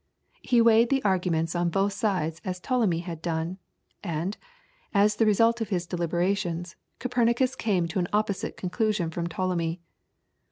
He weighed the arguments on both sides as Ptolemy had done, and, as the result of his deliberations, Copernicus came to an opposite conclusion from Ptolemy.